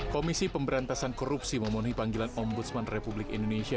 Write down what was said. komisi pemberantasan korupsi memenuhi panggilan ombudsman republik indonesia